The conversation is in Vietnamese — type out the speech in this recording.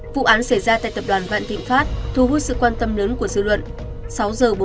vụ án xảy ra tại tập đoàn vạn tịnh phát thu hút sự quan tâm lớn của dư luận